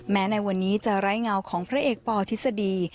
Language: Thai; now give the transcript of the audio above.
ในวันนี้จะไร้เงาของพระเอกปธิษฎี